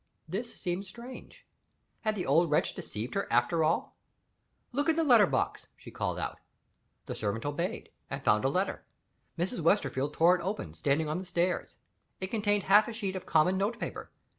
This seemed strange. Had the old wretch deceived her, after all? "Look in the letter box," she called out. The servant obeyed, and found a letter. Mrs. Westerfield tore it open, standing on the stairs. It contained half a sheet of common note paper.